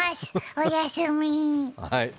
おやすみ。